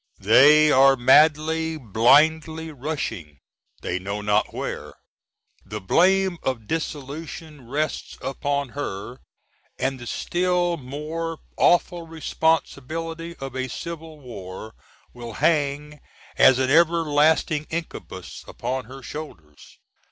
They are madly, blindly rushing, they know not where. The blame of dissolution rests upon her. And the still more awful responsibility of a civil war will hang as an everlasting incubus upon her shoulders.